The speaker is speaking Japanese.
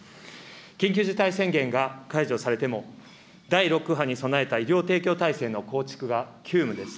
緊急事態宣言が解除されても、第６波に備えた医療提供体制の構築が急務です。